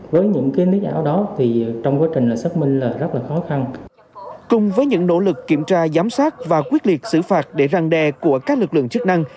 với những nỗ lực kiểm tra giám sát và quyết liệt xử phạt để răng đe của các lực lượng chức năng